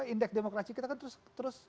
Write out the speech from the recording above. indeks demokrasi kita kan terus